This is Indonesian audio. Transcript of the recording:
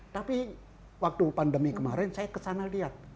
tapi waktu pandemi kemarin saya ke sana lihat